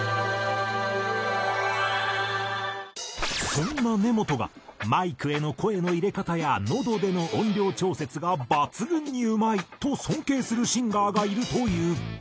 そんな根本がマイクへの声の入れ方や喉での音量調節が抜群にうまいと尊敬するシンガーがいるという。